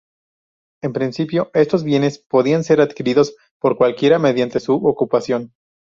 En principio estos bienes podían ser adquiridos por cualquiera mediante su ocupación.